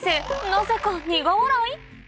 なぜか苦笑い？